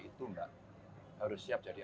itu enggak harus siap jadi